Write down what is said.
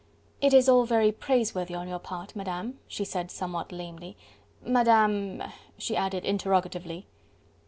"It is all very praiseworthy on your part, Madame," she said somewhat lamely. "Madame...?" she added interrogatively.